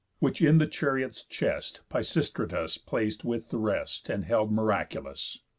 Which in the chariot's chest Pisistratus Plac'd with the rest, and held miraculous.